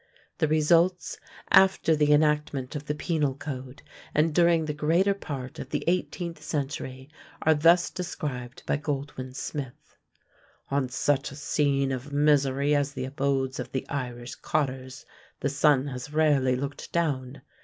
The results, after the enactment of the Penal Code, and during the greater part of the eighteenth century, are thus described by Goldwin Smith: "On such a scene of misery as the abodes of the Irish cotters the sun has rarely looked down.